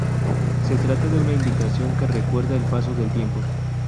Se trata de una indicación que recuerda el paso del tiempo.